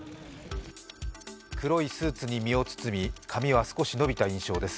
黒いスーツに身を包み髪は少し伸びた印象です。